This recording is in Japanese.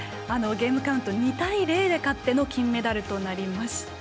ゲームカウント２対０で勝っての金メダルとなりました。